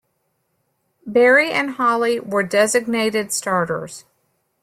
Berry and Hali were designated starters.